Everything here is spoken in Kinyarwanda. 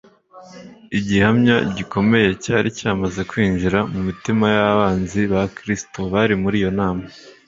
Igihamya gikomeye cyari cyamaze kwinjira mu mitima y'abanzi ba Kristo bari muri iyo nama.